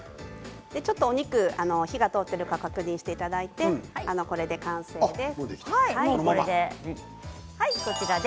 お肉火が通っているか確認していただいて、これで完成です。